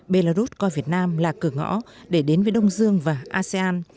belarus coi việt nam là cửa ngõ để đến với đông dương và asean